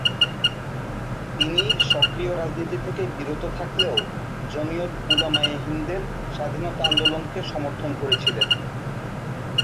তিনি সক্রিয় রাজনীতি থেকে বিরত থাকলেও জমিয়ত উলামায়ে হিন্দের স্বাধীনতা আন্দোলনকে সমর্থন করেছিলেন।